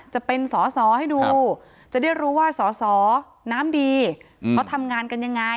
จะเป็นสอสอให้ดูจะได้รู้ว่าสอสอน้ำดีเขาทำงานกันยังไง